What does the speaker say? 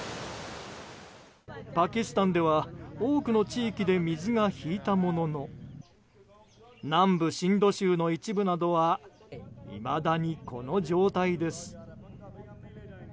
パキスタンでは多くの地域で水が引いたものの南部シンド州の一部などはいまだに、この状態です。